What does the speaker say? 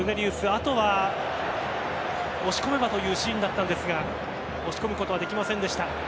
あとは押し込めばというシーンだったんですが押し込むことはできませんでした。